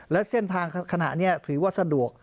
และเส้นทางขณะนี้ถือว่าสะดวก